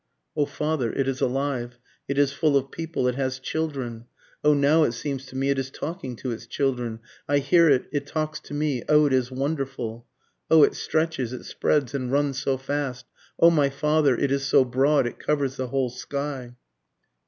_ O father it is alive it is full of people it has children, O now it seems to me it is talking to its children, I hear it it talks to me O it is wonderful! O it stretches it spreads and runs so fast O my father, It is so broad it covers the whole sky.